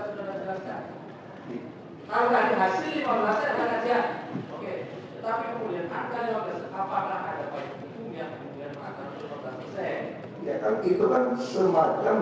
saya tahan banyak zone and hanya bisa kita cangkruti sebangun